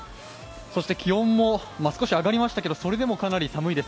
そして気温も少し上がりましたけど、それでもかなり寒いです。